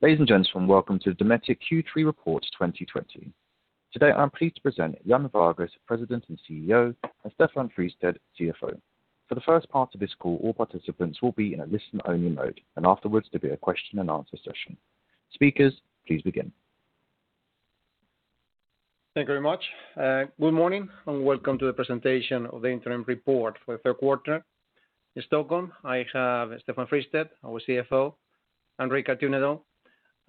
Ladies and gentlemen, welcome to the Dometic Q3 Report 2020. Today, I'm pleased to present Juan Vargues, President and CEO, and Stefan Fristedt, CFO. For the first part of this call, all participants will be in a listen-only mode, and afterwards, there'll be a question-and-answer session. Speakers, please begin. Thank you very much. Good morning, and welcome to the presentation of the interim report for the third quarter. In Stockholm, I have Stefan Fristedt, our CFO, and Rikard Tunedal,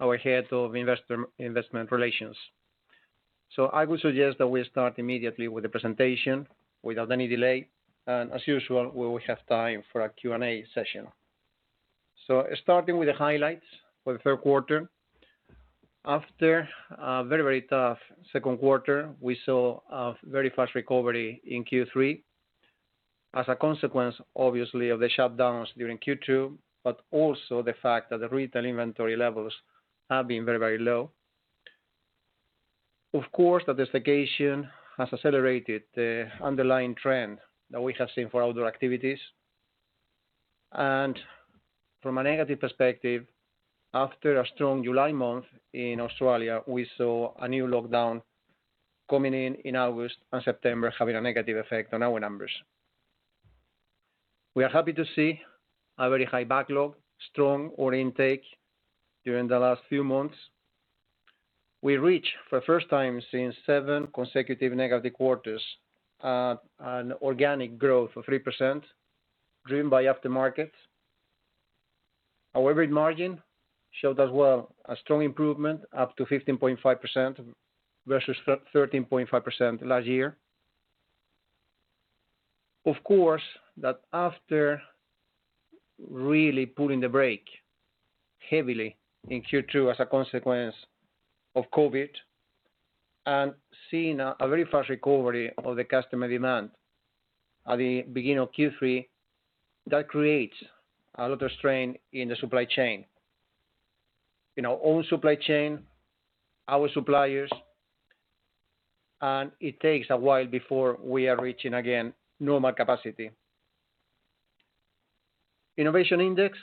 our Head of Investor Relations. I would suggest that we start immediately with the presentation without any delay, and as usual, we will have time for a Q&A session. Starting with the highlights for the third quarter. After a very tough second quarter, we saw a very fast recovery in Q3 as a consequence, obviously, of the shutdowns during Q2, but also the fact that the retail inventory levels have been very low. Of course, the staycation has accelerated the underlying trend that we have seen for outdoor activities. From a negative perspective, after a strong July month in Australia, we saw a new lockdown coming in in August and September, having a negative effect on our numbers. We are happy to see a very high backlog, strong order intake during the last few months. We reach, for the first time since seven consecutive negative quarters, an organic growth of 3%, driven by after-market. Our EBIT margin showed as well a strong improvement up to 15.5% versus 13.5% last year. Of course, that after really pulling the brake heavily in Q2 as a consequence of COVID and seeing a very fast recovery of the customer demand at the beginning of Q3, that creates a lot of strain in the supply chain. Our own supply chain, our suppliers, and it takes a while before we are reaching again normal capacity. Innovation index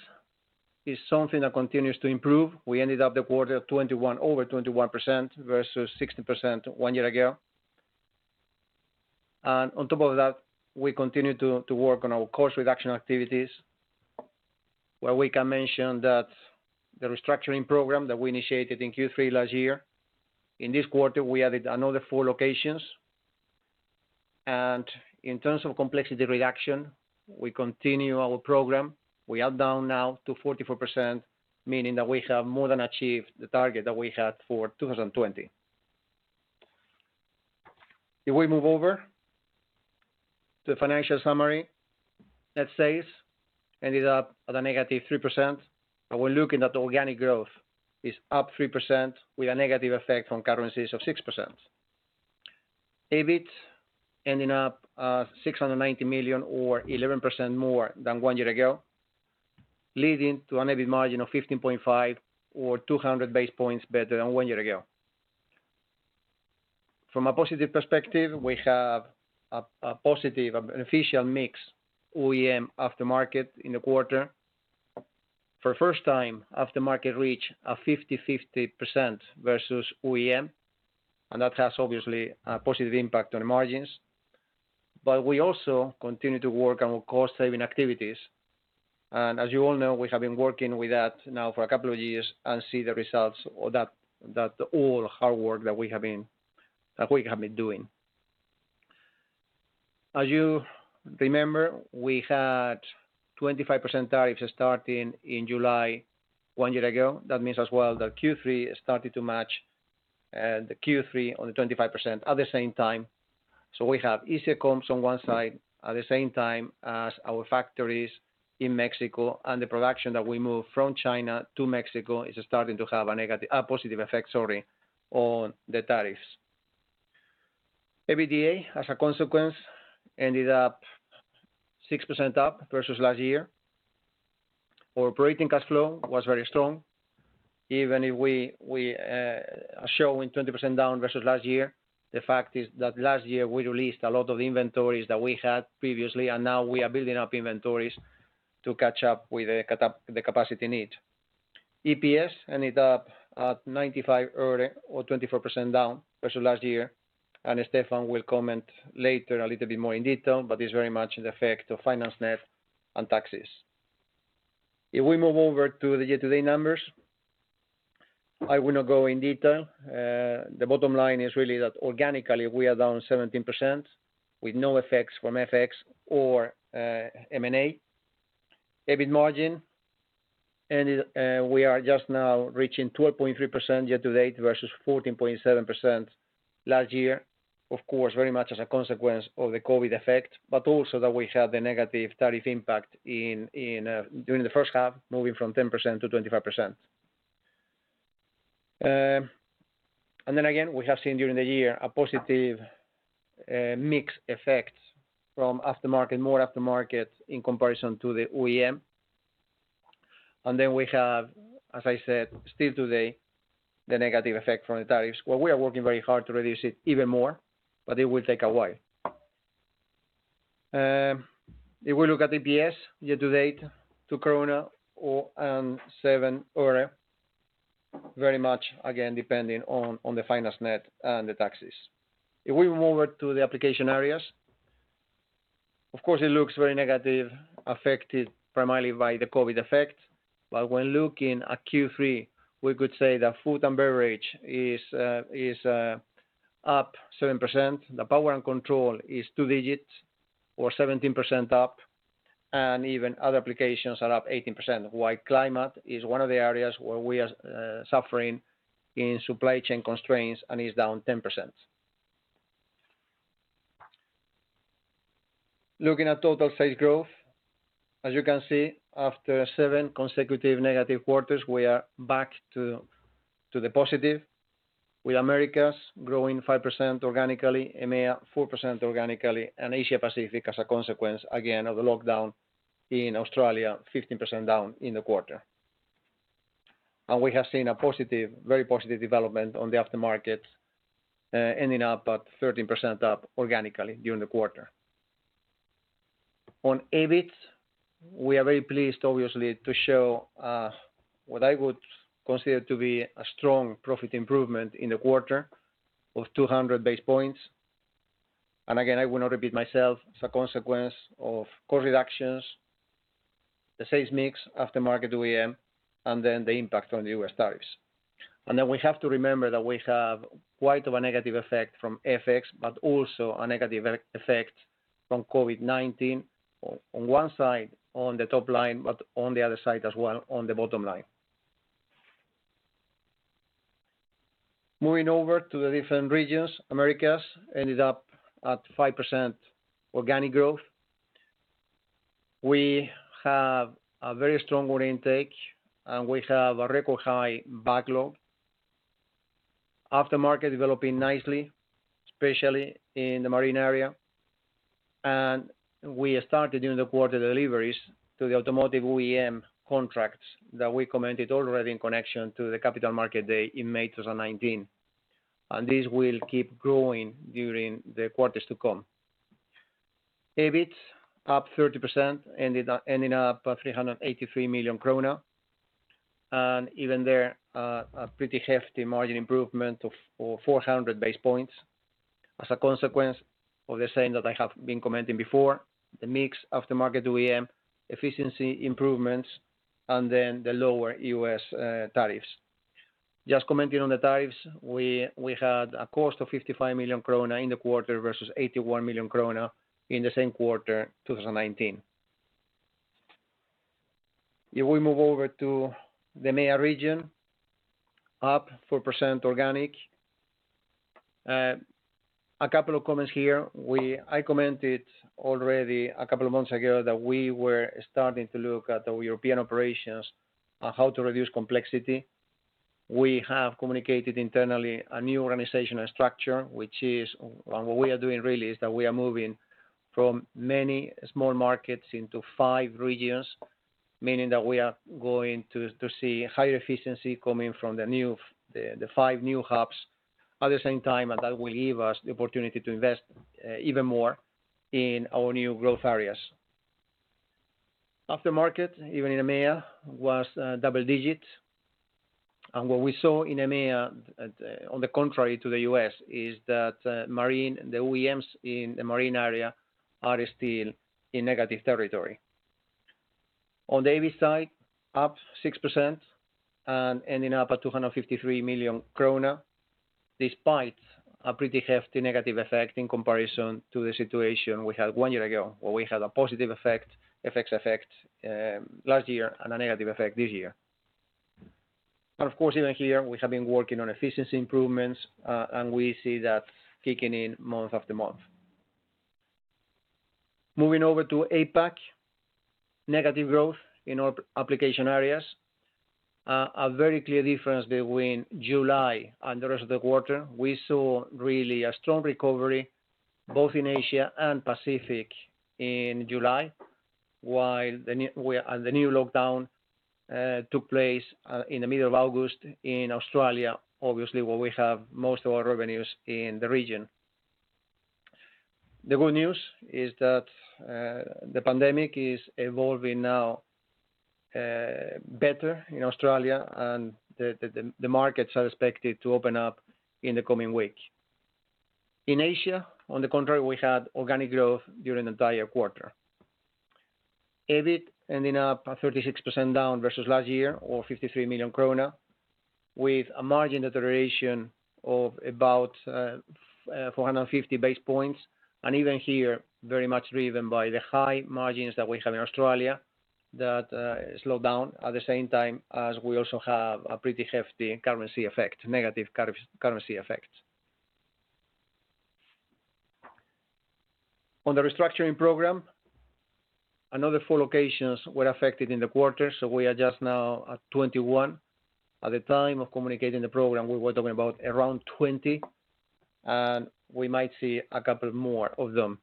is something that continues to improve. We ended up the quarter over 21% versus 16% one year ago. On top of that, we continue to work on our cost reduction activities, where we can mention that the restructuring program that we initiated in Q3 last year, in this quarter, we added another four locations. In terms of complexity reduction, we continue our program. We are down now to 44%, meaning that we have more than achieved the target that we had for 2020. If we move over to the financial summary. Net sales ended up at a negative 3%, and we're looking at organic growth is up 3% with a negative effect on currencies of 6%. EBIT ending up at 690 million or 11% more than one year ago, leading to an EBIT margin of 15.5% or 200 basis points better than one year ago. From a positive perspective, we have a positive, beneficial mix OEM aftermarket in the quarter. For the first time, aftermarket reached a 50/50% versus OEM, and that has obviously a positive impact on the margins. We also continue to work on our cost-saving activities. As you all know, we have been working with that now for a couple of years and see the results of that all hard work that we have been doing. As you remember, we had 25% tariffs starting in July one year ago. That means as well that Q3 started to match the Q3 on the 25% at the same time. We have easier comps on one side at the same time as our factories in Mexico and the production that we move from China to Mexico is starting to have a positive effect on the tariffs. EBITDA, as a consequence, ended up 6% up versus last year. Our operating cash flow was very strong. Even if we are showing 20% down versus last year, the fact is that last year, we released a lot of inventories that we had previously, and now we are building up inventories to catch up with the capacity need. EPS ended up at 95 or 24% down versus last year. Stefan will comment later a little bit more in detail, but it's very much the effect of finance net and taxes. If we move over to the year-to-date numbers, I will not go in detail. The bottom line is really that organically, we are down 17% with no effects from FX or M&A. EBIT margin, we are just now reaching 12.3% year to date versus 14.7% last year, of course, very much as a consequence of the COVID effect, but also that we had the negative tariff impact during the first half, moving from 10% to 25%. Then again, we have seen during the year a positive mix effect from more after market in comparison to the OEM. Then we have, as I said, still today, the negative effect from the tariffs. Well, we are working very hard to reduce it even more. It will take a while. If we look at the EPS year to date, 2.07 krona. Very much, again, depending on the finance net and the taxes. If we move over to the application areas, of course it looks very negative, affected primarily by the COVID effect. When looking at Q3, we could say that food and beverage is up 7%. The power and control is two digits or 17% up, and even other applications are up 18%, while climate is one of the areas where we are suffering in supply chain constraints and is down 10%. Looking at total sales growth, as you can see, after seven consecutive negative quarters, we are back to the positive with Americas growing 5% organically, EMEA 4% organically, and Asia Pacific, as a consequence, again, of the lockdown in Australia, 15% down in the quarter. We have seen a very positive development on the aftermarket, ending up at 13% up organically during the quarter. On EBIT, we are very pleased, obviously, to show what I would consider to be a strong profit improvement in the quarter of 200 basis points. Again, I will not repeat myself, as a consequence of cost reductions, the sales mix, aftermarket OEM, and then the impact on the U.S. tariffs. We have to remember that we have quite of a negative effect from FX, but also a negative effect from COVID-19 on one side on the top line, but on the other side as well on the bottom line. Moving over to the different regions, Americas ended up at 5% organic growth. We have a very strong order intake, and we have a record high backlog. Aftermarket developing nicely, especially in the marine area. We started during the quarter deliveries to the automotive OEM contracts that we commented already in connection to the Capital Markets Day in May 2019. This will keep growing during the quarters to come. EBIT up 30%, ending up at 383 million krona. Even there, a pretty hefty margin improvement of 400 basis points as a consequence of the same that I have been commenting before, the mix, aftermarket OEM, efficiency improvements, and then the lower U.S. tariffs. Just commenting on the tariffs, we had a cost of 55 million krona in the quarter versus 81 million krona in the same quarter 2019. If we move over to the EMEA region, up 4% organic. A couple of comments here. I commented already a couple of months ago that we were starting to look at the European operations on how to reduce complexity. We have communicated internally a new organizational structure. What we are doing really is that we are moving from many small markets into five regions, meaning that we are going to see higher efficiency coming from the five new hubs. At the same time, that will give us the opportunity to invest even more in our new growth areas. Aftermarket, even in EMEA, was double digit. What we saw in EMEA, on the contrary to the U.S., is that the OEMs in the marine area are still in negative territory. On the EBIT side, up 6% and ending up at 253 million krona, despite a pretty hefty negative effect in comparison to the situation we had one year ago, where we had a positive FX effect last year and a negative effect this year. Of course, even here, we have been working on efficiency improvements, and we see that kicking in month after month. Moving over to APAC, negative growth in our application areas. A very clear difference between July and the rest of the quarter. We saw really a strong recovery both in Asia and Pacific in July, while the new lockdown took place in the middle of August in Australia, obviously, where we have most of our revenues in the region. The good news is that the pandemic is evolving now better in Australia, the markets are expected to open up in the coming weeks. In Asia, on the contrary, we had organic growth during the entire quarter. EBIT ending up at 36% down versus last year or 53 million krona, with a margin deterioration of about 450 basis points. Even here, very much driven by the high margins that we have in Australia that slowed down at the same time as we also have a pretty hefty negative currency effect. On the restructuring program, another four locations were affected in the quarter, so we are just now at 21. At the time of communicating the program, we were talking about around 20, and we might see a couple more of them.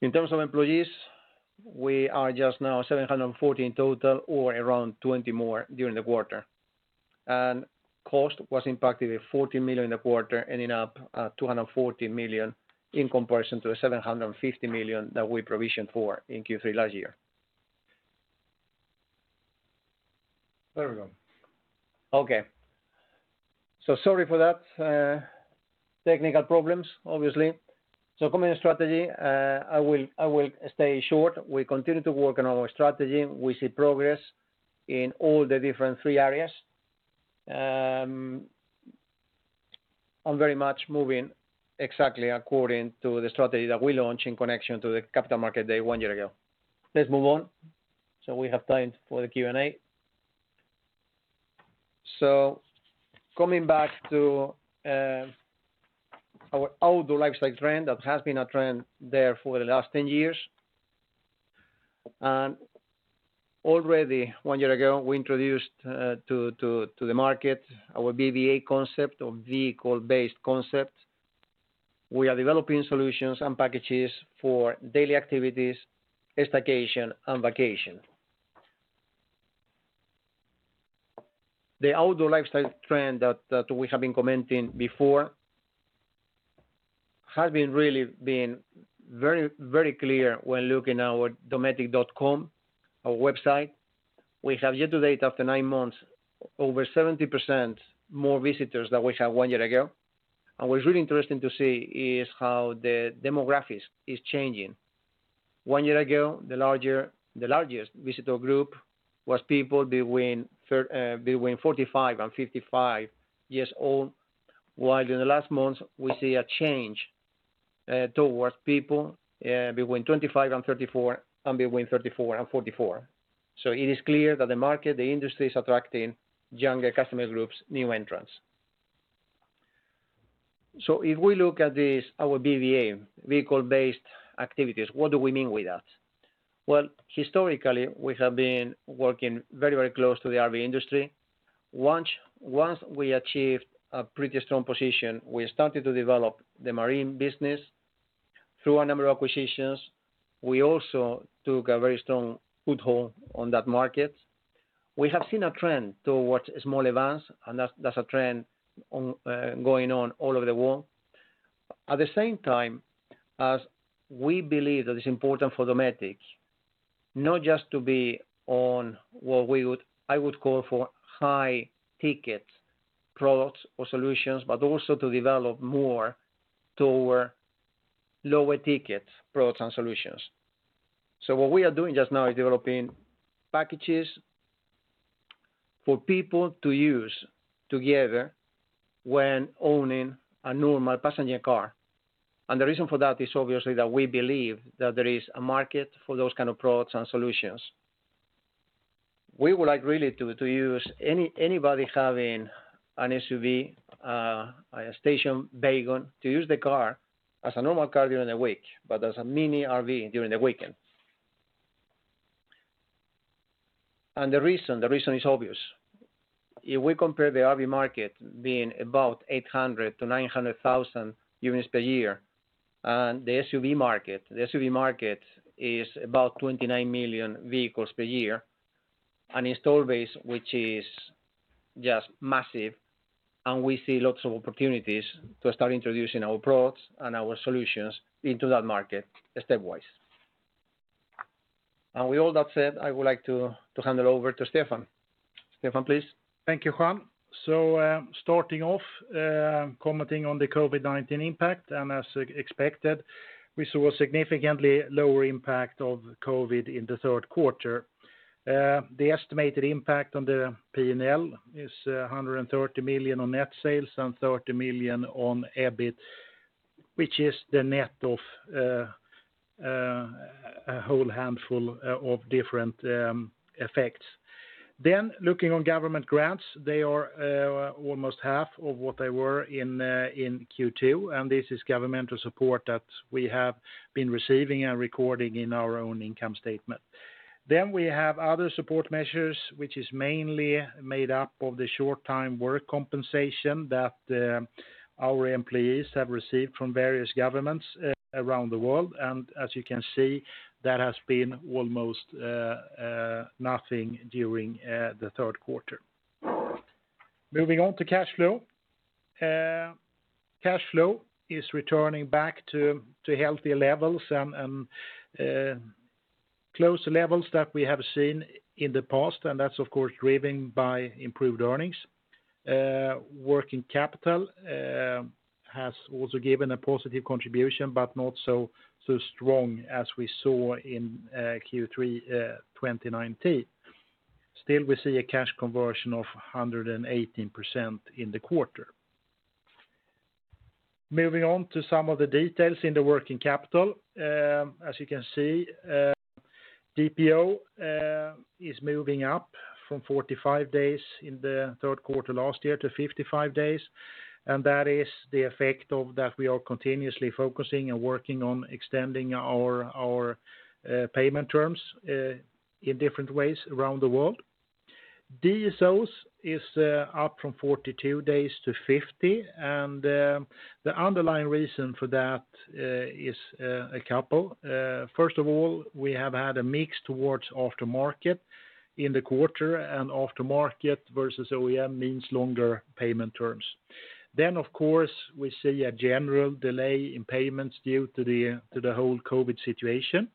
In terms of employees, we are just now 740 in total or around 20 more during the quarter. Cost was impacted with 40 million a quarter, ending up 240 million in comparison to the 750 million that we provisioned for in Q3 last year. There we go. Okay. Sorry for that. Technical problems, obviously. Coming to strategy, I will stay short. We continue to work on our strategy. We see progress in all the different three areas. I'm very much moving exactly according to the strategy that we launched in connection to the Capital Markets Day one year ago. Let's move on, so we have time for the Q&A. Coming back to our outdoor lifestyle trend that has been a trend there for the last 10 years. Already one year ago, we introduced to the market our VBA concept, or vehicle-based concept. We are developing solutions and packages for daily activities, staycation, and vacation. The outdoor lifestyle trend that we have been commenting before has been really been very clear when looking our Dometic.com, our website. We have yet to date, after nine months, over 70% more visitors than we had one year ago. What's really interesting to see is how the demographics is changing. One year ago, the largest visitor group was people between 45 and 55 years old, while in the last months, we see a change towards people between 25 and 34, and between 34 and 44. It is clear that the market, the industry is attracting younger customer groups, new entrants. If we look at this, our VBA, vehicle-based activities, what do we mean with that? Historically, we have been working very close to the RV industry. Once we achieved a pretty strong position, we started to develop the marine business through a number of acquisitions. We also took a very strong foothold on that market. We have seen a trend towards small vance, and that's a trend going on all over the world. At the same time, as we believe that it's important for Dometic not just to be on what I would call for high-ticket products or solutions, but also to develop more toward lower-ticket products and solutions. What we are doing just now is developing packages for people to use together when owning a normal passenger car. The reason for that is obviously that we believe that there is a market for those kind of products and solutions. We would like really to use anybody having an SUV, a station wagon, to use the car as a normal car during the week, but as a mini RV during the weekend. The reason is obvious. If we compare the RV market being about 800,000 to 900,000 units per year, and the SUV market is about 29 million vehicles per year, an install base, which is just massive, and we see lots of opportunities to start introducing our products and our solutions into that market stepwise. With all that said, I would like to hand it over to Stefan. Stefan, please. Thank you, Juan. Starting off, commenting on the COVID-19 impact, as expected, we saw a significantly lower impact of COVID in the third quarter. The estimated impact on the P&L is 130 million on net sales and 30 million on EBIT, which is the net of a whole handful of different effects. Looking on government grants, they are almost half of what they were in Q2, this is governmental support that we have been receiving and recording in our own income statement. We have other support measures, which is mainly made up of the short-time work compensation that our employees have received from various governments around the world. As you can see, that has been almost nothing during the third quarter. Moving on to cash flow. Cash flow is returning back to healthy levels and close to levels that we have seen in the past, and that's, of course, driven by improved earnings. Working capital has also given a positive contribution, but not so strong as we saw in Q3 2019. Still, we see a cash conversion of 118% in the quarter. Moving on to some of the details in the working capital. As you can see DPO, is moving up from 45 days in the third quarter last year to 55 days, and that is the effect of that we are continuously focusing and working on extending our payment terms in different ways around the world. DSOs is up from 42 days to 50, and the underlying reason for that is a couple. First of all, we have had a mix towards aftermarket in the quarter, and aftermarket versus OEM means longer payment terms. We see a general delay in payments due to the whole COVID situation.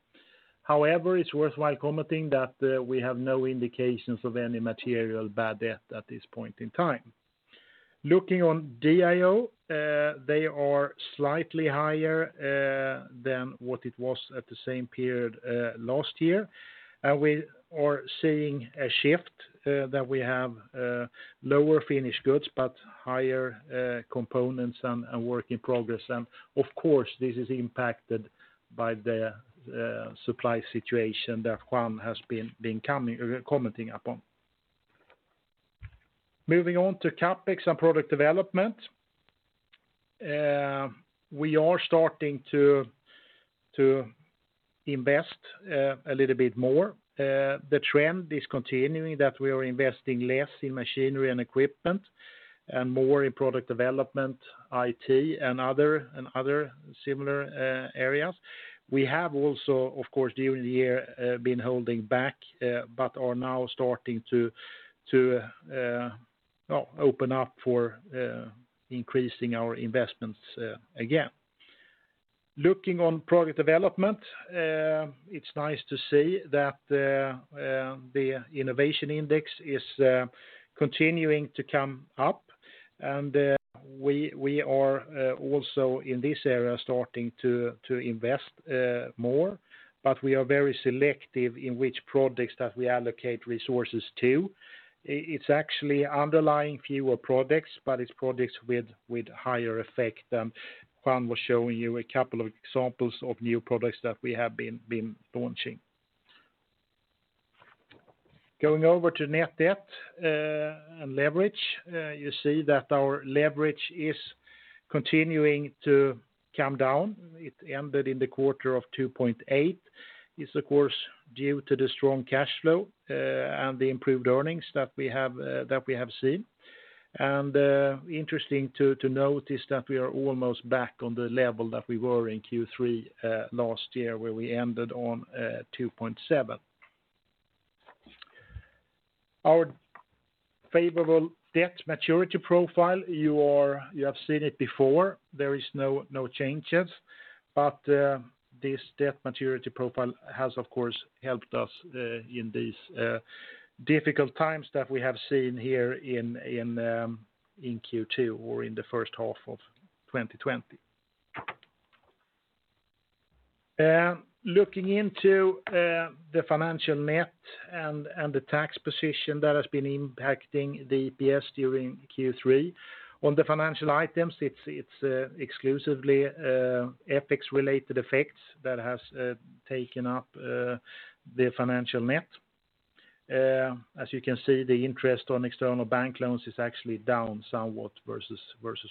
However, it's worthwhile commenting that we have no indications of any material bad debt at this point in time. Looking on DIO, they are slightly higher than what it was at the same period last year. We are seeing a shift that we have lower finished goods, but higher components and work in progress. Of course, this is impacted by the supply situation that Juan has been commenting upon. Moving on to CapEx and product development. We are starting to invest a little bit more. The trend is continuing that we are investing less in machinery and equipment, and more in product development, IT, and other similar areas. We have also, during the year, been holding back, but are now starting to open up for increasing our investments again. Looking on product development, it's nice to see that the innovation index is continuing to come up. We are also in this area starting to invest more, but we are very selective in which products that we allocate resources to. It's actually underlying fewer products, but it's products with higher effect. Juan was showing you a couple of examples of new products that we have been launching. Going over to net debt and leverage. You see that our leverage is continuing to come down. It ended in the quarter of 2.8. It's due to the strong cash flow, and the improved earnings that we have seen. Interesting to notice that we are almost back on the level that we were in Q3 last year where we ended on 2.7. Our favorable debt maturity profile, you have seen it before. There is no changes. This debt maturity profile has helped us in these difficult times that we have seen here in Q2 or in the first half of 2020. Looking into the financial net and the tax position that has been impacting the EPS during Q3. On the financial items, it's exclusively FX related effects that has taken up the financial net. As you can see, the interest on external bank loans is actually down somewhat versus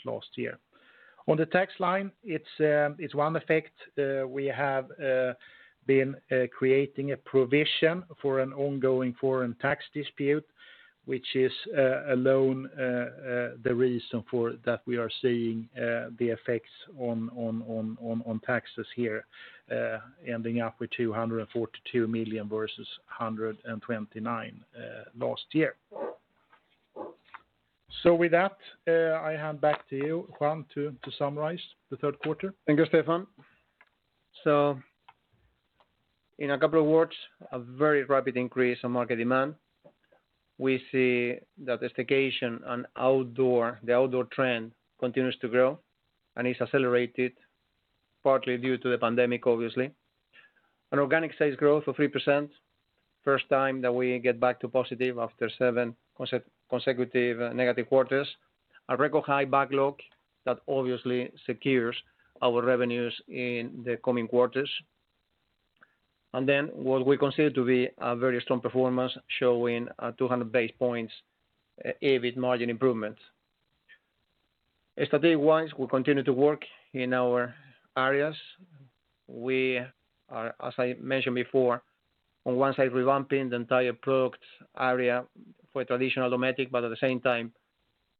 last year. On the tax line, it's one effect. We have been creating a provision for an ongoing foreign tax dispute, which is alone the reason for that we are seeing the effects on taxes here, ending up with 242 million versus 129 last year. With that, I hand back to you, Juan, to summarize the third quarter. Thank you, Stefan. In a couple of words, a very rapid increase on market demand. We see that staycation and the outdoor trend continues to grow, and is accelerated partly due to the pandemic, obviously. An organic sales growth of 3%, first time that we get back to positive after seven consecutive negative quarters. A record high backlog that obviously secures our revenues in the coming quarters. What we consider to be a very strong performance showing a 200 basis points EBIT margin improvement. Strategic wise, we continue to work in our areas. We are, as I mentioned before, on one side revamping the entire product area for traditional Dometic, but at the same time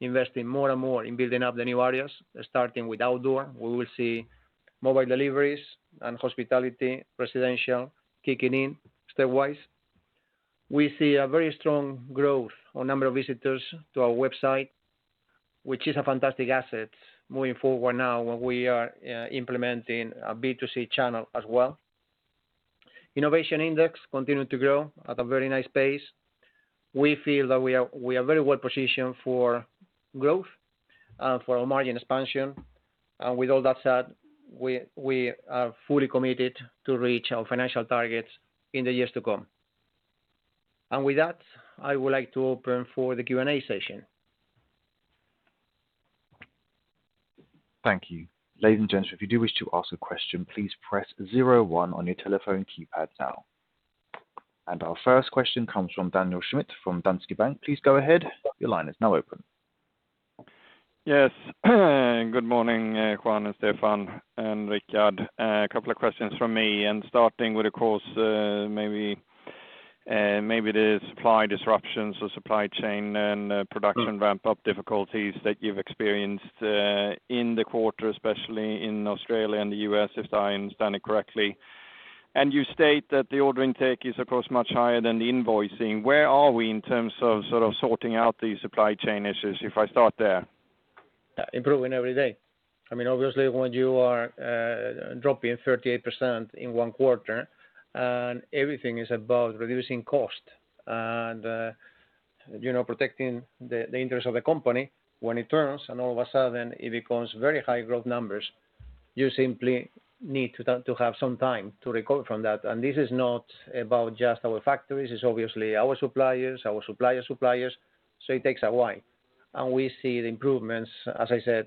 investing more and more in building up the new areas, starting with outdoor. We will see mobile deliveries and hospitality, residential kicking in stepwise. We see a very strong growth on number of visitors to our website, which is a fantastic asset moving forward now when we are implementing a B2C channel as well. Innovation index continue to grow at a very nice pace. We feel that we are very well positioned for growth, for margin expansion. With all that said, we are fully committed to reach our financial targets in the years to come. With that, I would like to open for the Q&A session. Thank you. Ladies and gentlemen, if you do wish to ask a question, please press zero one on your telephone keypad now. Our first question comes from Daniel Schmidt from Danske Bank. Please go ahead. Your line is now open. Yes. Good morning Juan and Stefan and Rikard. A couple of questions from me, starting with, of course, maybe the supply disruptions or supply chain and production ramp-up difficulties that you've experienced in the quarter, especially in Australia and the U.S., if I understand it correctly. You state that the order intake is, of course, much higher than the invoicing. Where are we in terms of sorting out these supply chain issues, if I start there? Improving every day. Obviously, when you are dropping 38% in one quarter and everything is about reducing cost and protecting the interest of the company, when it turns and all of a sudden it becomes very high growth numbers, you simply need to have some time to recover from that. This is not about just our factories, it's obviously our suppliers, our supplier's suppliers, so it takes a while. We see the improvements, as I said,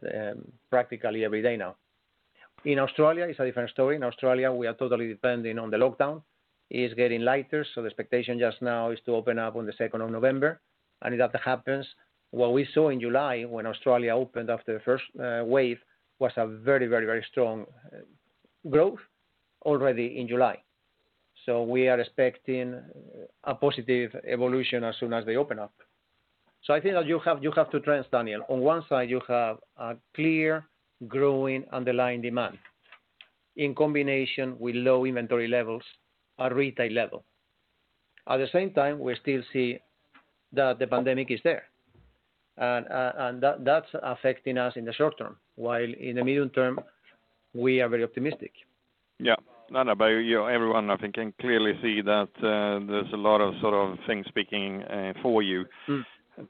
practically every day now. In Australia, it's a different story. In Australia, we are totally depending on the lockdown. It is getting lighter, so the expectation just now is to open up on the 2nd of November, and if that happens, what we saw in July when Australia opened after the first wave, was a very strong growth already in July. We are expecting a positive evolution as soon as they open up. I think that you have two trends, Daniel. On one side, you have a clear, growing underlying demand in combination with low inventory levels at retail level. At the same time, we still see that the pandemic is there, and that is affecting us in the short term. While in the medium term, we are very optimistic. Yeah. No, everyone, I think, can clearly see that there's a lot of things speaking for you. Yes.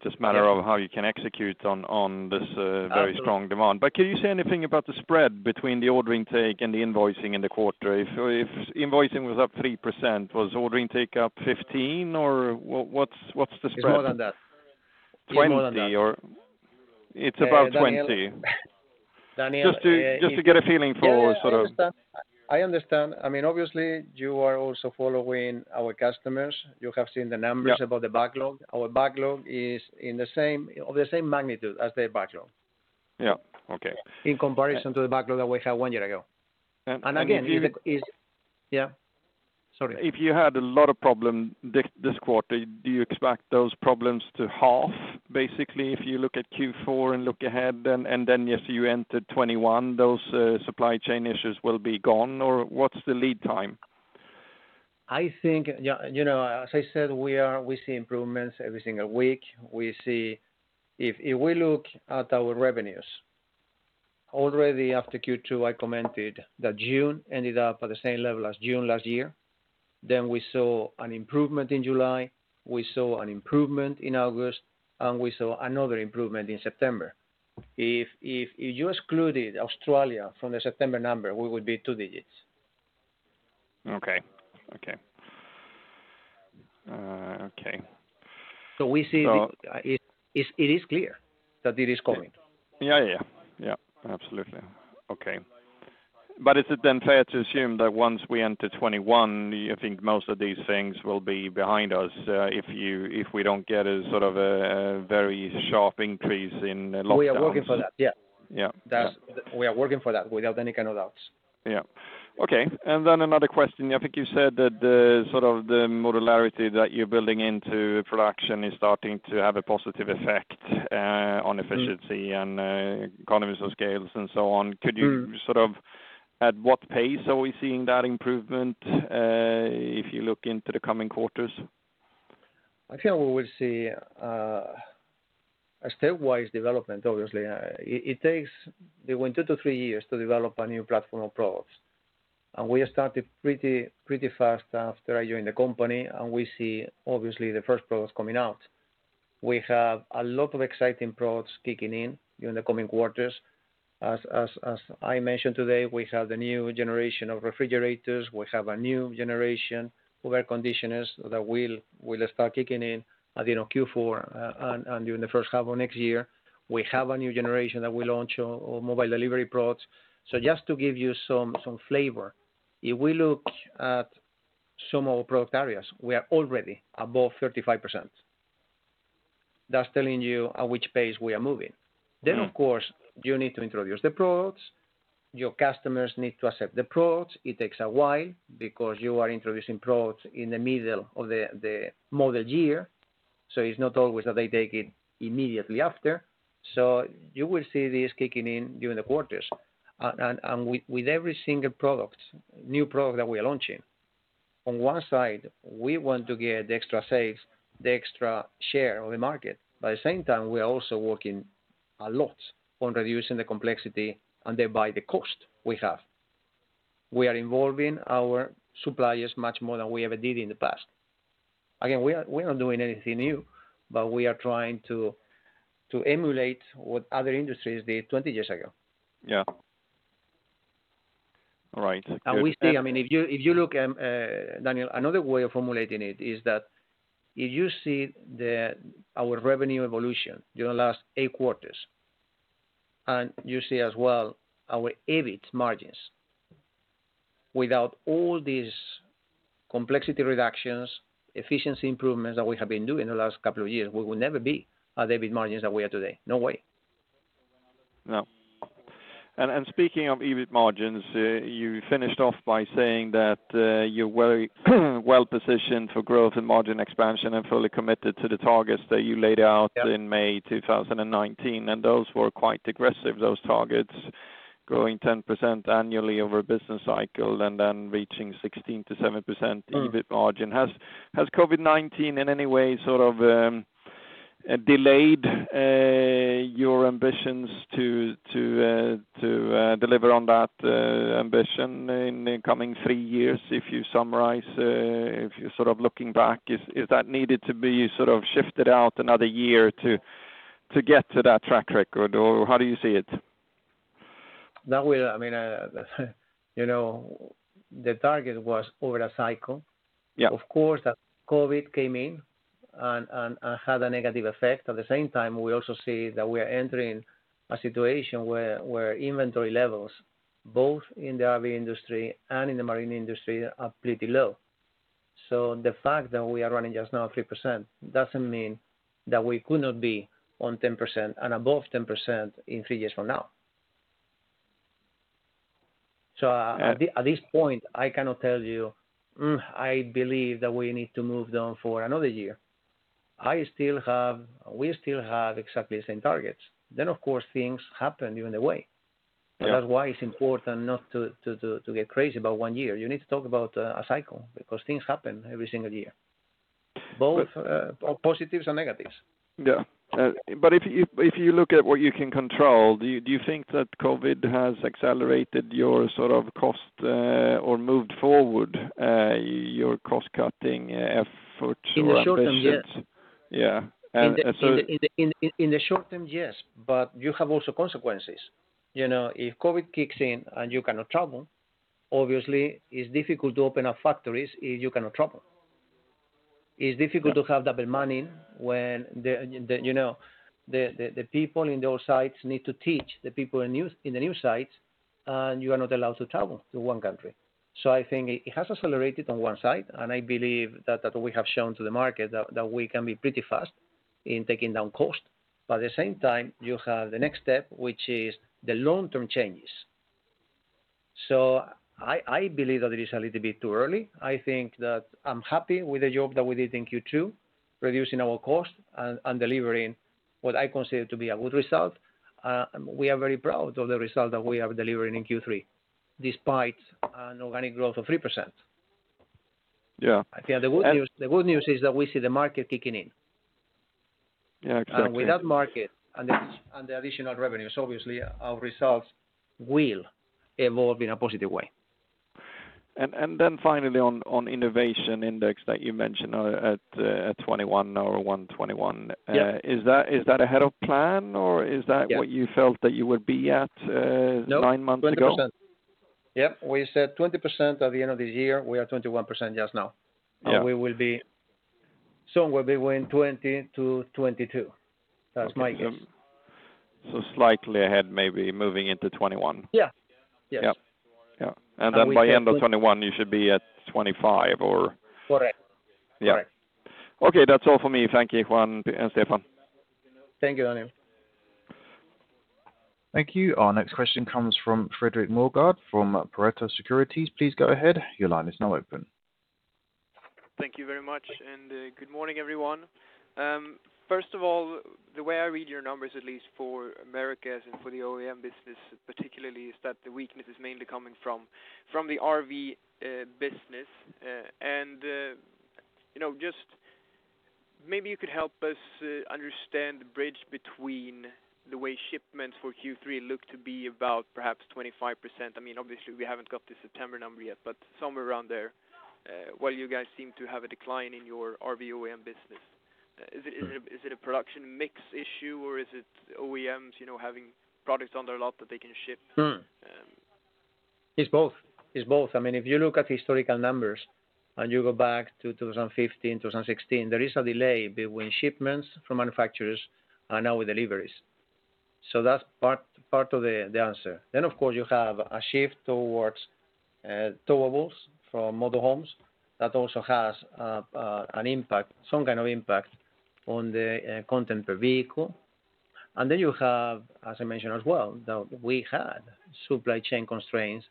Just a matter of how you can execute on this. Absolutely Very strong demand. Can you say anything about the spread between the order intake and the invoicing in the quarter? If invoicing was up 3%, was order intake up 15% or what's the spread? It's more than that. 20 It's more than that. It's above 20. Daniel. Just to get a feeling for. Yeah, I understand. I understand. Obviously, you are also following our customers. You have seen the numbers Yeah About the backlog. Our backlog is of the same magnitude as their backlog. Yeah. Okay. In comparison to the backlog that we had one year ago. And if you? Yeah. Sorry. If you had a lot of problems this quarter, do you expect those problems to halve, basically, if you look at Q4 and look ahead and then as you enter 2021, those supply chain issues will be gone or what's the lead time? As I said, we see improvements every single week. If we look at our revenues, already after Q2, I commented that June ended up at the same level as June last year. We saw an improvement in July, we saw an improvement in August, we saw another improvement in September. If you excluded Australia from the September number, we would be two digits. Okay. Okay. So we see. Yeah It is clear that it is coming. Yeah. Absolutely. Okay. Is it then fair to assume that once we enter 2021, you think most of these things will be behind us, if we don't get a very sharp increase in lockdowns? We are working for that. Yeah. Yeah. We are working for that without any kind of doubts. Yeah. Okay. Another question. I think you said that the modularity that you're building into production is starting to have a positive effect on efficiency and economies of scale and so on. At what pace are we seeing that improvement, if you look into the coming quarters? I think we will see a stepwise development, obviously. It takes between two to three years to develop a new platform of products. We have started pretty fast after I joined the company. We see, obviously, the first products coming out. We have a lot of exciting products kicking in during the coming quarters. As I mentioned today, we have the new generation of refrigerators, we have a new generation of air conditioners that will start kicking in at Q4 and during the first half of next year. We have a new generation that we launch on mobile living products. Just to give you some flavor, if we look at some of our product areas, we are already above 35%. That's telling you at which pace we are moving. Of course, you need to introduce the products, your customers need to accept the products. It takes a while because you are introducing products in the middle of the model year. It's not always that they take it immediately after. You will see this kicking in during the quarters, and with every single product, new product that we are launching, on one side, we want to get the extra sales, the extra share of the market. At the same time, we are also working a lot on reducing the complexity and thereby the cost we have. We are involving our suppliers much more than we ever did in the past. Again, we are not doing anything new, but we are trying to emulate what other industries did 20 years ago. Yeah. All right. Good. We see, if you look, Daniel, another way of formulating it is that if you see our revenue evolution during the last eight quarters, you see as well our EBIT margins, without all these complexity reductions, efficiency improvements that we have been doing the last couple of years, we will never be at the EBIT margins that we are today. No way. No. Speaking of EBIT margins, you finished off by saying that you're very well-positioned for growth and margin expansion and fully committed to the targets that you laid out. Yeah In May 2019, and those were quite aggressive, those targetsGrowing 10% annually over a business cycle and then reaching 16%-7% EBIT margin. Has COVID-19 in any way sort of delayed your ambitions to deliver on that ambition in the coming three years? If you summarize, if you're looking back, is that needed to be shifted out another year to get to that track record? How do you see it? The target was over a cycle. Yeah. Of course, that COVID came in and had a negative effect. At the same time, we also see that we are entering a situation where inventory levels, both in the RV industry and in the marine industry, are pretty low. The fact that we are running just now 3% doesn't mean that we could not be on 10% and above 10% in three years from now. At this point, I cannot tell you, "I believe that we need to move down for another year." We still have exactly the same targets. Of course, things happen even away. Yeah. That's why it's important not to get crazy about one year. You need to talk about a cycle because things happen every single year, both positives and negatives. Yeah. If you look at what you can control, do you think that COVID has accelerated your cost or moved forward your cost-cutting efforts or ambitions? In the short term, yes. Yeah. In the short term, yes, but you have also consequences. If COVID kicks in and you cannot travel, obviously, it's difficult to open up factories if you cannot travel. It's difficult to have double manning when the people in those sites need to teach the people in the new sites, and you are not allowed to travel to one country. I think it has accelerated on one side, and I believe that we have shown to the market that we can be pretty fast in taking down cost. At the same time, you have the next step, which is the long-term changes. I believe that it is a little bit too early. I think that I'm happy with the job that we did in Q2, reducing our cost and delivering what I consider to be a good result. We are very proud of the result that we are delivering in Q3, despite an organic growth of 3%. Yeah. I think the good news is that we see the market kicking in. Yeah, exactly. With that market and the additional revenues, obviously our results will evolve in a positive way. Finally on innovation index that you mentioned at 2021 or 1/2021. Yeah. Is that ahead of plan or is that what you felt that you would be at nine months ago? No, 20%. Yep. We said 20% at the end of the year. We are 21% just now. Yeah. We will be somewhere between 20%-22%. That's my guess. Slightly ahead, maybe moving into 2021. Yeah. Yes. Yep. Yeah. Then by end of 2021, you should be at 25 or? Correct. Yeah. Okay, that's all for me. Thank you, Juan and Stefan. Thank you, Daniel. Thank you. Our next question comes from Fredrik Moregård from Pareto Securities. Please go ahead. Thank you very much. Good morning, everyone. First of all, the way I read your numbers, at least for Americas and for the OEM business particularly, is that the weakness is mainly coming from the RV business. Just maybe you could help us understand the bridge between the way shipments for Q3 look to be about perhaps 25%. Obviously, we haven't got the September number yet, but somewhere around there, while you guys seem to have a decline in your RV OEM business. Is it a production mix issue, or is it OEMs having products on their lot that they can ship? It's both. If you look at historical numbers and you go back to 2015, 2016, there is a delay between shipments from manufacturers and our deliveries. That's part of the answer. Of course, you have a shift towards towables from motor homes. That also has an impact, some kind of impact on the content per vehicle. You have, as I mentioned as well, that we had supply chain constraints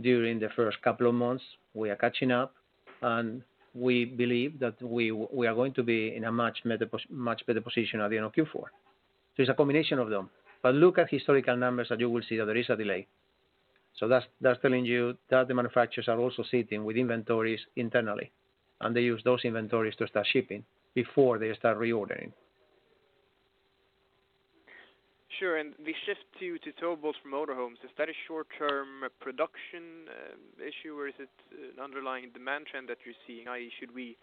during the first couple of months. We are catching up, and we believe that we are going to be in a much better position at the end of Q4. It's a combination of them. Look at historical numbers, and you will see that there is a delay. That's telling you that the manufacturers are also sitting with inventories internally, and they use those inventories to start shipping before they start reordering. Sure, the shift to towables from motorhomes, is that a short-term production issue, or is it an underlying demand trend that you're seeing, i.e., should we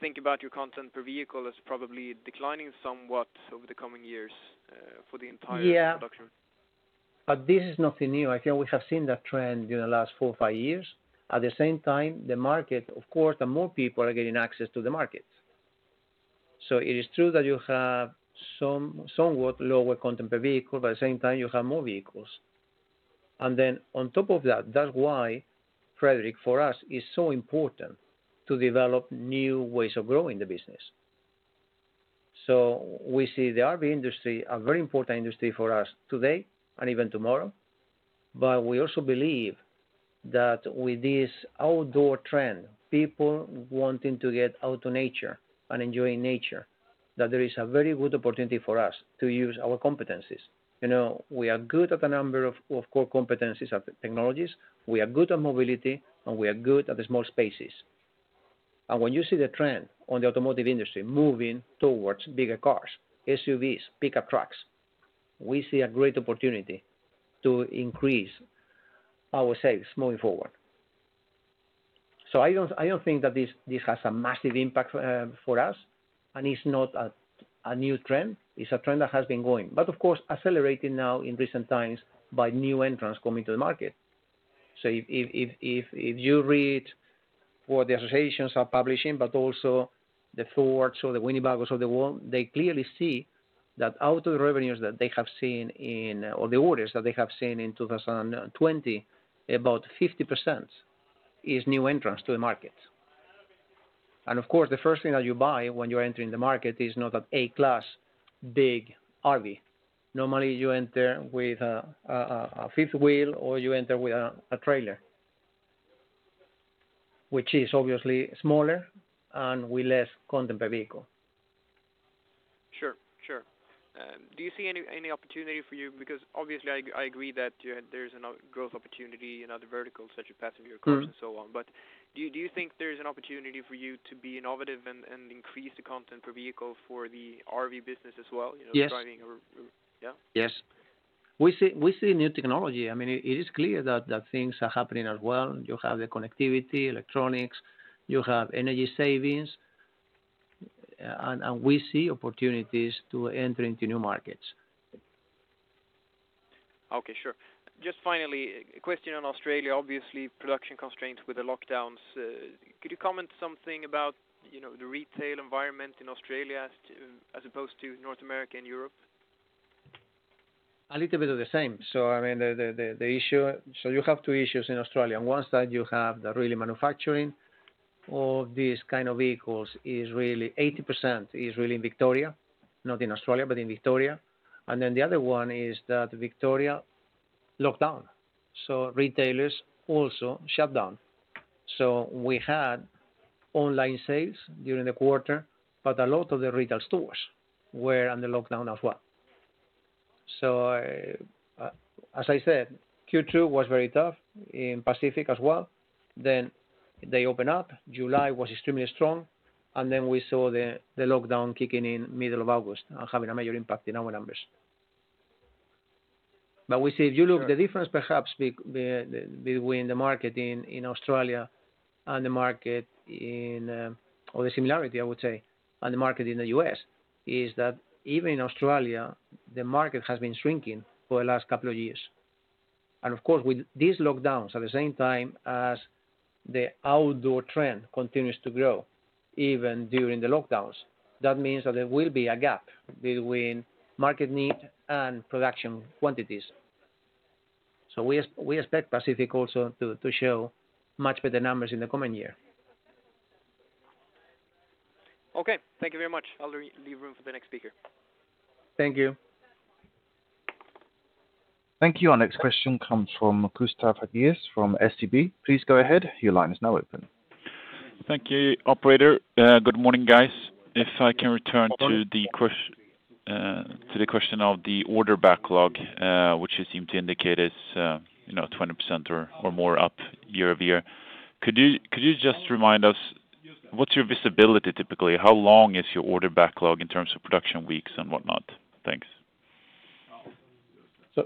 think about your content per vehicle as probably declining somewhat over the coming years for the entire production? Yeah. This is nothing new. We have seen that trend during the last four or five years. At the same time, the market, of course, the more people are getting access to the market. It is true that you have somewhat lower content per vehicle, but at the same time, you have more vehicles. On top of that's why, Fredrik, for us, it's so important to develop new ways of growing the business. We see the RV industry a very important industry for us today and even tomorrow. We also believe that with this outdoor trend, people wanting to get out to nature and enjoying nature, that there is a very good opportunity for us to use our competencies. We are good at a number of core competencies of technologies, we are good at mobility, and we are good at the small spaces. When you see the trend on the automotive industry moving towards bigger cars, SUVs, pickup trucks, we see a great opportunity to increase our sales moving forward. I don't think that this has a massive impact for us, and it's not a new trend. It's a trend that has been going. Of course, accelerating now in recent times by new entrants coming to the market. If you read what the associations are publishing, but also the Ford or the Winnebago of the world, they clearly see that out of the revenues that they have seen in, or the orders that they have seen in 2020, about 50% is new entrants to the market. Of course, the first thing that you buy when you are entering the market is not an A-class big RV. Normally, you enter with a fifth wheel, or you enter with a trailer, which is obviously smaller and with less content per vehicle. Sure. Do you see any opportunity for you, because obviously I agree that there's a growth opportunity in other verticals such as passenger cars and so on, but do you think there's an opportunity for you to be innovative and increase the content per vehicle for the RV business as well? Yes Driving or Yeah? Yes. We see new technology. It is clear that things are happening as well. You have the connectivity, electronics, you have energy savings, and we see opportunities to enter into new markets. Okay, sure. Just finally, a question on Australia. Obviously, production constraints with the lockdowns. Could you comment something about the retail environment in Australia as opposed to North America and Europe? A little bit of the same. You have two issues in Australia. One side you have the really manufacturing of these kind of vehicles, 80% is really in Victoria. Not in Australia, but in Victoria. The other one is that Victoria locked down, retailers also shut down. We had online sales during the quarter, but a lot of the retail stores were under lockdown as well. As I said, Q2 was very tough in Pacific as well. They opened up. July was extremely strong, and then we saw the lockdown kicking in middle of August and having a major impact in our numbers. Sure If you look the difference perhaps between the market in Australia and the market in, or the similarity I would say, on the market in the U.S., is that even in Australia, the market has been shrinking for the last couple of years. Of course, with these lockdowns at the same time as the outdoor trend continues to grow, even during the lockdowns, that means that there will be a gap between market need and production quantities. We expect Pacific also to show much better numbers in the coming year. Okay. Thank you very much. I'll leave room for the next speaker. Thank you. Thank you. Our next question comes from Gustav Hagéus from SEB. Please go ahead. Thank you, operator. Good morning, guys. If I can return to the question of the order backlog, which you seem to indicate is 20% or more up year-over-year. Could you just remind us what's your visibility typically? How long is your order backlog in terms of production weeks and whatnot? Thanks.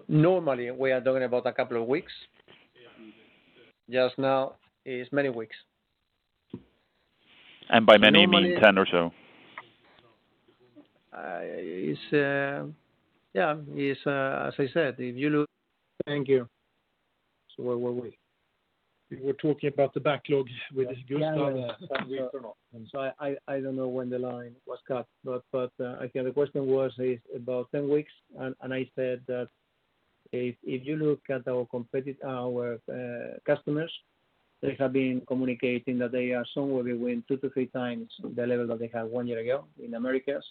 Normally we are talking about a couple of weeks. Just now it is many weeks. By many you mean 10 or so? Yeah, as I said. Thank you. Where were we? We were talking about the backlogs with Gustav. Yeah 10 weeks or not. I don't know when the line was cut, but I think the question was, is about 10 weeks, and I said that if you look at our customers, they have been communicating that they are somewhere between two to three times the level that they had one year ago in Americas.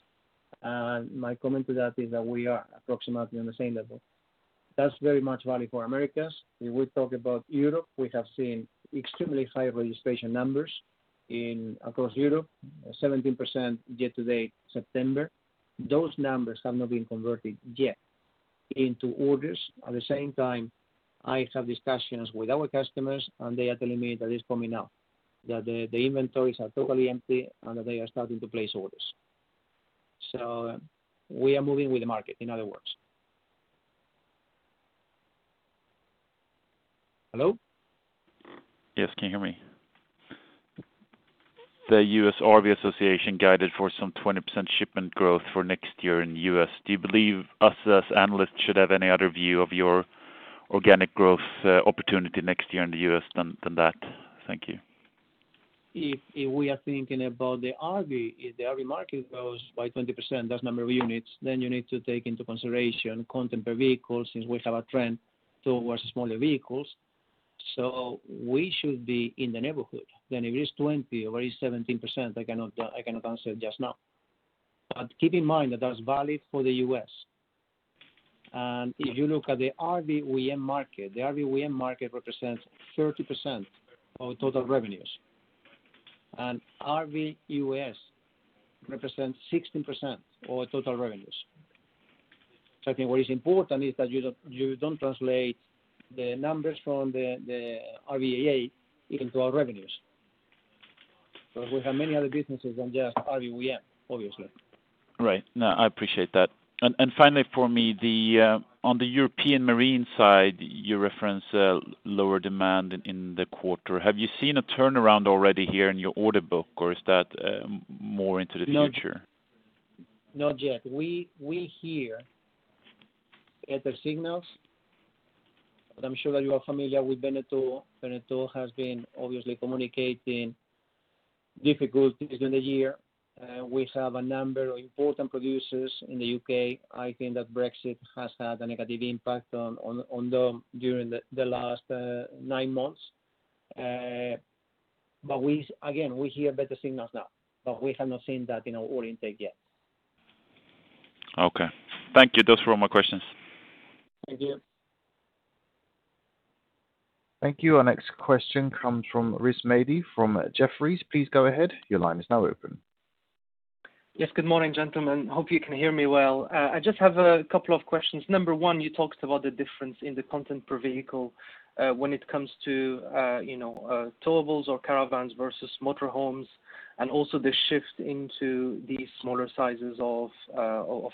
My comment to that is that we are approximately on the same level. That's very much valid for Americas. If we talk about Europe, we have seen extremely high registration numbers across Europe, 17% year-to-date September. Those numbers have not been converted yet into orders. At the same time, I have discussions with our customers, and they are telling me that it's coming now, that their inventories are totally empty and that they are starting to place orders. We are moving with the market, in other words. Hello? Yes. Can you hear me? The U.S. RV Association guided for some 20% shipment growth for next year in the U.S. Do you believe us as analysts should have any other view of your organic growth opportunity next year in the U.S. than that? Thank you. If we are thinking about the RV, if the RV market grows by 20%, that's number of units, then you need to take into consideration content per vehicle since we have a trend towards smaller vehicles. We should be in the neighborhood. If it is 20 or is 17%, I cannot answer just now. Keep in mind that that's valid for the U.S. If you look at the RV OEM market, the RV OEM market represents 30% of total revenues, and RV U.S. represents 16% of total revenues. We have many other businesses than just RV OEM, obviously. Right. No, I appreciate that. Finally, for me, on the European marine side, you reference lower demand in the quarter. Have you seen a turnaround already here in your order book or is that more into the future? Not yet. We hear better signals, but I'm sure that you are familiar with Beneteau. Beneteau has been obviously communicating difficulties during the year. We have a number of important producers in the U.K. I think that Brexit has had a negative impact on them during the last nine months. Again, we hear better signals now, but we have not seen that in our order intake yet. Okay. Thank you. Those were all my questions. Thank you. Thank you. Our next question comes from Rizk Maidi from Jefferies. Please go ahead. Yes, good morning, gentlemen. Hope you can hear me well. I just have a couple of questions. Number one, you talked about the difference in the content per vehicle when it comes to towables or caravans versus motor homes, and also the shift into these smaller sizes of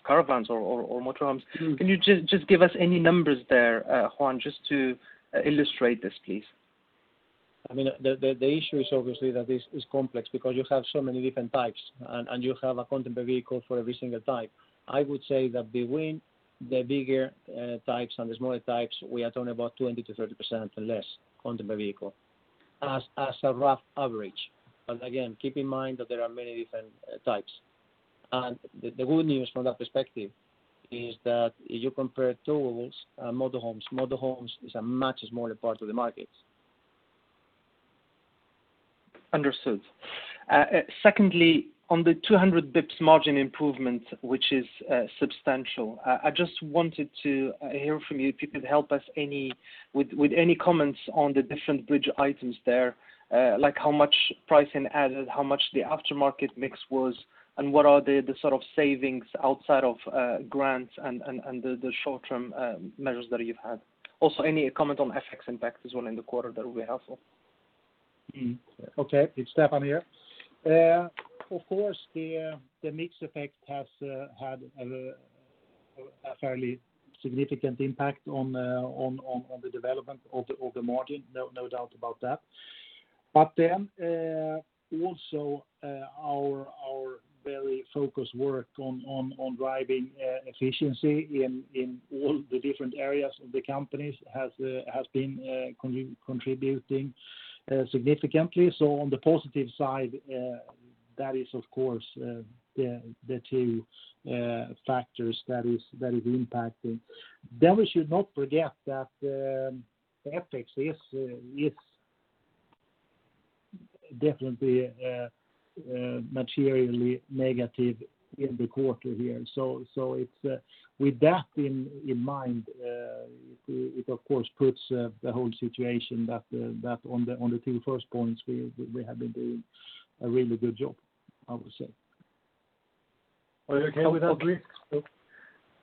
caravans or motor homes. Can you just give us any numbers there, Juan, just to illustrate this, please? The issue is obviously that this is complex because you have so many different types, and you have a content per vehicle for every single type. I would say that between the bigger types and the smaller types, we are talking about 20%-30% less content per vehicle, as a rough average. Again, keep in mind that there are many different types. The good news from that perspective is that if you compare towables and motor homes, motor homes is a much smaller part of the market. Understood. Secondly, on the 200 bps margin improvement, which is substantial, I just wanted to hear from you if you could help us with any comments on the different bridge items there, like how much pricing added, how much the aftermarket mix was, and what are the sort of savings outside of grants and the short-term measures that you've had. Also, any comment on FX impact as well in the quarter that would be helpful. Okay. It's Stefan here. Of course, the mix effect has had a fairly significant impact on the development of the margin, no doubt about that. Also our very focused work on driving efficiency in all the different areas of the company has been contributing significantly. On the positive side, that is, of course, the two factors that are impacting. We should not forget that FX is definitely materially negative in the quarter here. With that in mind, it of course puts the whole situation that on the two first points, we have been doing a really good job, I would say. Are you okay with that, Rizk?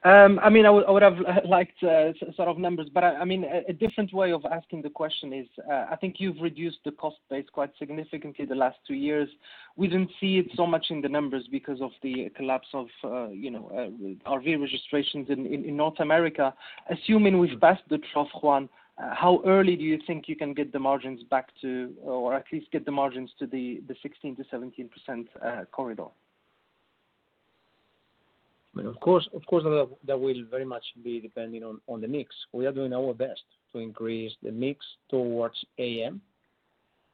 I would've liked sort of numbers, but a different way of asking the question is, I think you've reduced the cost base quite significantly the last two years. We didn't see it so much in the numbers because of the collapse of RV registrations in North America. Assuming we've passed the trough, Juan, how early do you think you can get the margins back to, or at least get the margins to the 16%-17% corridor? Of course, that will very much be dependent on the mix. We are doing our best to increase the mix towards AM,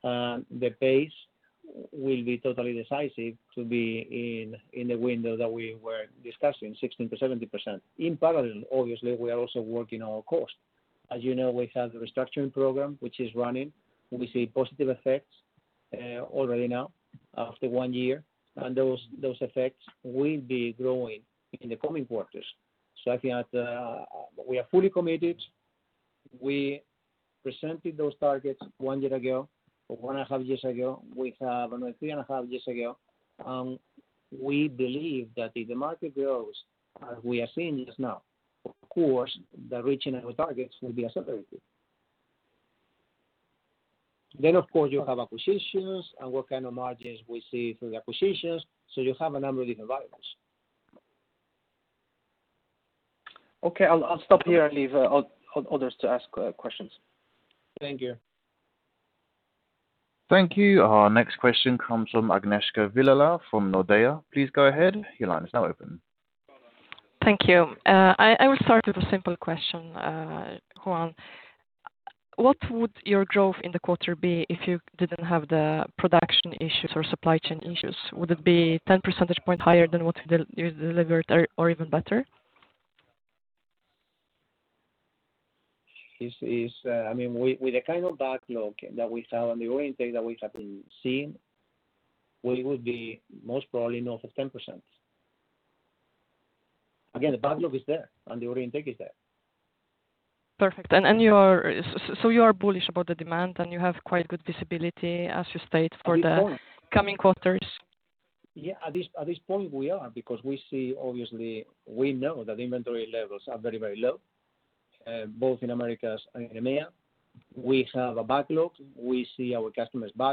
and the pace will be totally decisive to be in the window that we were discussing, 16%-17%. In parallel, obviously, we are also working on our cost. As you know, we have the restructuring program which is running. We see positive effects already now after one year, and those effects will be growing in the coming quarters. I think that we are fully committed. We presented those targets one year ago, or one and a half years ago, no, three and a half years ago. We believe that if the market grows as we are seeing just now, of course, then reaching our targets will be a separate thing. Of course, you have acquisitions and what kind of margins we see through the acquisitions. You have a number of different variables. Okay. I'll stop here and leave others to ask questions. Thank you. Thank you. Our next question comes from Agnieszka Vilela from Nordea. Please go ahead. Thank you. I will start with a simple question, Juan. What would your growth in the quarter be if you didn't have the production issues or supply chain issues? Would it be 10 percentage point higher than what you delivered or even better? With the kind of backlog that we have and the order intake that we have been seeing, we would be most probably north of 10%. Again, the backlog is there and the order intake is there. Perfect. You are bullish about the demand, and you have quite good visibility, as you state for the coming quarters? Yeah, at this point we are, because we see, obviously, we know that inventory levels are very low, both in Americas and in EMEA. We have a backlog. At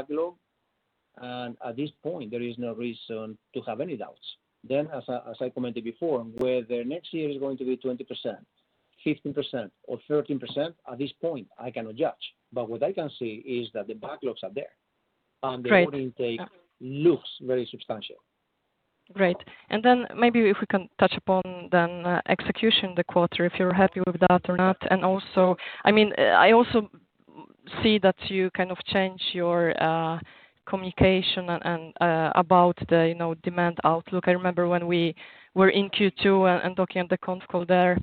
this point, there is no reason to have any doubts. As I commented before, whether next year is going to be 20%, 15%, or 13%, at this point, I cannot judge. What I can say is that the backlogs are there. Great The order intake looks very substantial. Great. Maybe if we can touch upon then execution the quarter, if you are happy with that or not. I also see that you changed your communication about the demand outlook. I remember when we were in Q2 and talking at the conf call there,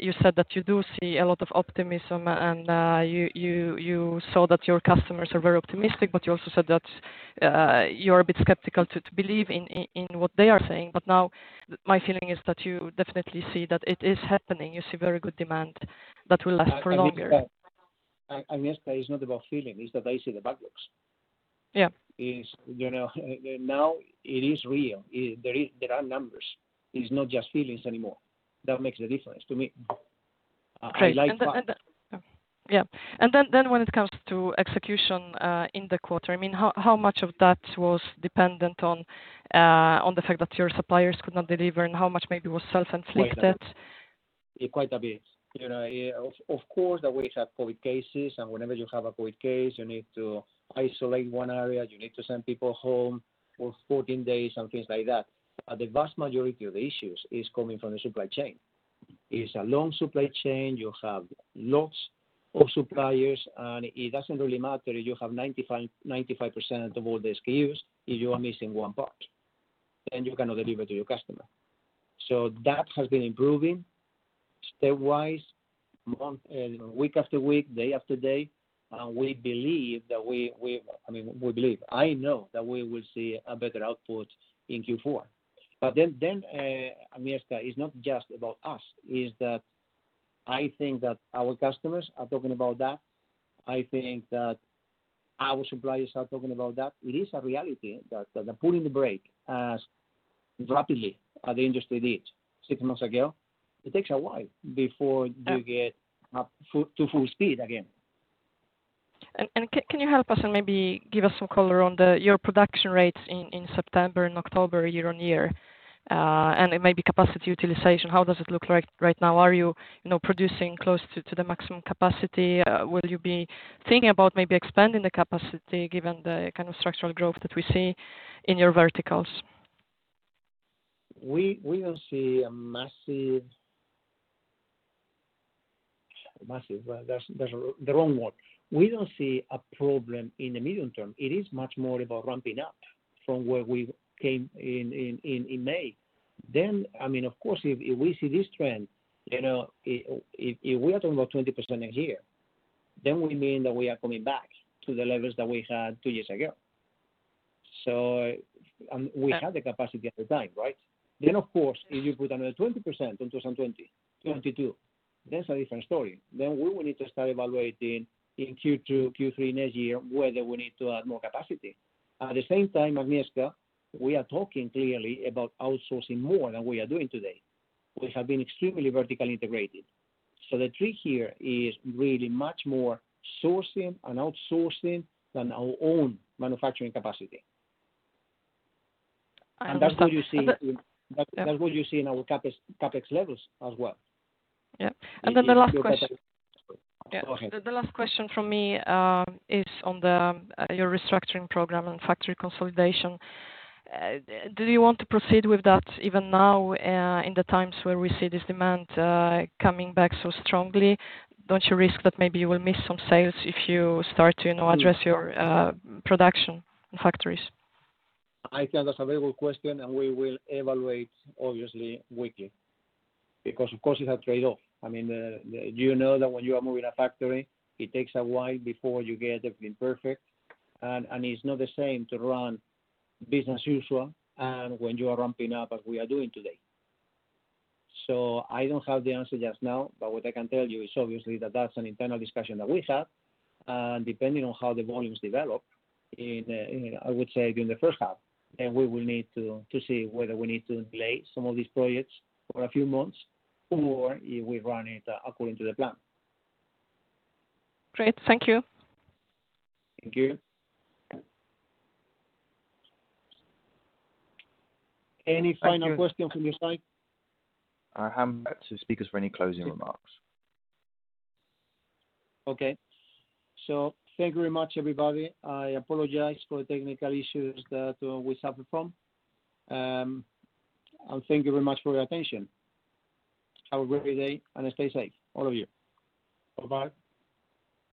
you said that you do see a lot of optimism and you saw that your customers are very optimistic, but you also said that you are a bit skeptical to believe in what they are saying. Now my feeling is that you definitely see that it is happening. You see very good demand that will last for longer. Agnieszka, that is not about feeling, it's that I see the backlogs. Yeah. Now it is real. There are numbers. It's not just feelings anymore. That makes the difference to me. Great. I like facts. Yeah. When it comes to execution, in the quarter, how much of that was dependent on the fact that your suppliers could not deliver, and how much maybe was self-inflicted? Quite a bit. Of course, we have COVID cases, whenever you have a COVID case, you need to isolate one area. You need to send people home for 14 days and things like that. The vast majority of the issues is coming from the supply chain. It's a long supply chain. You have lots of suppliers, it doesn't really matter if you have 95% of all the SKUs, if you are missing one part, you cannot deliver to your customer. That has been improving stepwise, week after week, day after day. We believe, I know that we will see a better output in Q4. Agnieszka, it's not just about us. It's that I think that our customers are talking about that. I think that our suppliers are talking about that. It is a reality that the pulling the brake as rapidly as the industry did six months ago, it takes a while before you get up to full speed again. Can you help us and maybe give us some color on your production rates in September and October year-on-year, and maybe capacity utilization? How does it look like right now? Are you producing close to the maximum capacity? Will you be thinking about maybe expanding the capacity given the structural growth that we see in your verticals? Massive, that's the wrong word. We don't see a problem in the medium term. It is much more about ramping up from where we came in May. Of course, if we see this trend, if we are talking about 20% a year, then we mean that we are coming back to the levels that we had two years ago. We had the capacity at the time, right? Of course, if you put another 20% in 2022, that's a different story. We will need to start evaluating in Q2, Q3 next year, whether we need to add more capacity. At the same time, Agnieszka, we are talking clearly about outsourcing more than we are doing today. We have been extremely vertically integrated. The trick here is really much more sourcing and outsourcing than our own manufacturing capacity. That's what you see in our CapEx levels as well. Yeah. The last question. Go ahead. The last question from me, is on your restructuring program and factory consolidation. Do you want to proceed with that even now, in the times where we see this demand coming back so strongly? Don't you risk that maybe you will miss some sales if you start to address your production and factories? I think that's a very good question, and we will evaluate, obviously, weekly, because of course, you have trade-off. You know that when you are moving a factory, it takes a while before you get everything perfect, and it's not the same to run business as usual, and when you are ramping up as we are doing today. I don't have the answer just now, but what I can tell you is obviously that that's an internal discussion that we have, and depending on how the volumes develop in, I would say, during the first half, then we will need to see whether we need to delay some of these projects for a few months, or if we run it according to the plan. Great. Thank you. Thank you. Any final questions from your side? I hand back to speakers for any closing remarks. Okay. Thank you very much, everybody. I apologize for the technical issues that we suffered from. Thank you very much for your attention. Have a great day, and stay safe, all of you. Bye-bye.